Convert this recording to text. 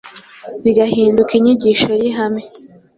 bigahinduka inyigisho y’ihame